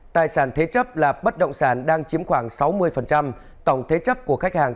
tài sản thế chấp là bất động sản đang chiếm khoảng sáu mươi tổng thế chấp của khách hàng